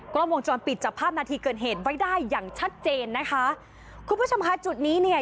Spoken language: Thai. กล้องวงจรปิดจับภาพนาทีเกิดเหตุไว้ได้อย่างชัดเจนนะคะคุณผู้ชมค่ะจุดนี้เนี่ย